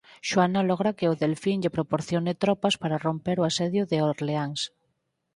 Xoana logra que o Delfín lle proporcione tropas para romper o asedio de Orleáns.